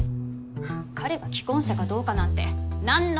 はっ彼が既婚者かどうかなんて何の関係も。